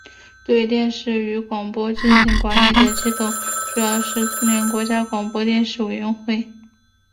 对电视与广播进行管理的机构主要是苏联国家广播电视委员会。